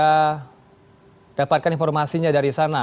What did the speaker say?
mendapatkan informasinya dari sana